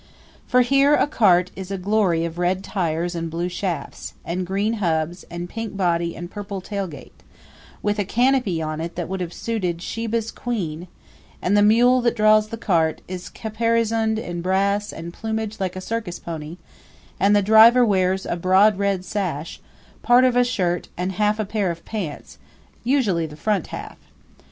For here a cart is a glory of red tires and blue shafts, and green hubs and pink body and purple tailgate, with a canopy on it that would have suited Sheba's Queen; and the mule that draws the cart is caparisoned in brass and plumage like a circus pony; and the driver wears a broad red sash, part of a shirt, and half of a pair of pants usually the front half.